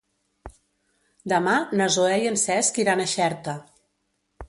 Demà na Zoè i en Cesc iran a Xerta.